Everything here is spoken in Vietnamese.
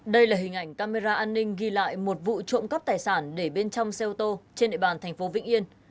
đây là hình ảnh camera an ninh ghi lại một vụ trộm cắp tài sản để bên trong xe ô tô trên địa bàn thành phố vĩnh yên